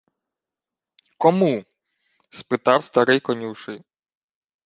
— Кому? — спитав старий конюший.